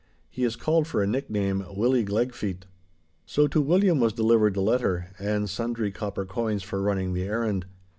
He is called for a nickname Willie Glegfeet.' So to William was delivered the letter and sundry copper coins for running the errand.